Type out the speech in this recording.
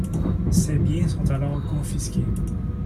Ses biens sont alors confisqués.